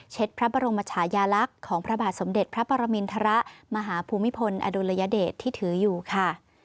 พระบรมชายาลักษณ์ของพระบาทสมเด็จพระปรมินทรมาหาภูมิพลอดุลยเดชที่ถืออยู่ค่ะ